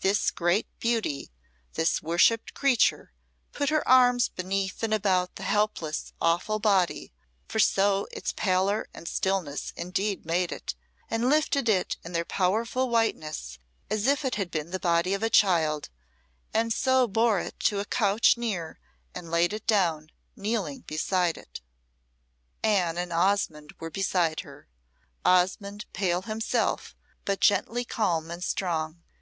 This great beauty, this worshipped creature, put her arms beneath and about the helpless, awful body for so its pallor and stillness indeed made it and lifted it in their powerful whiteness as if it had been the body of a child, and so bore it to a couch near and laid it down, kneeling beside it. Anne and Osmonde were beside her. Osmonde pale himself, but gently calm and strong.